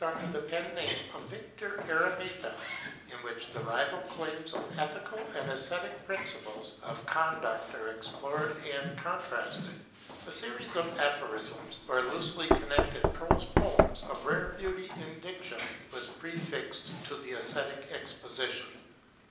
under the pen name of Victor Eremita, in which the rival claims of ethical and aesthetic principles of conduct were explored and contrasted ; a series of aphorisms, or loosely connected prose poems of rare beauty in diction, was prefixed to the SBsthetic exposition.